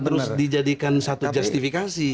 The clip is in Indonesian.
terus dijadikan satu justifikasi